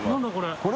これ。